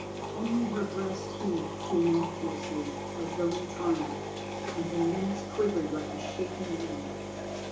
Only her breast heaved tumultuously as though in triumph, and her limbs quivered like a shaken reed.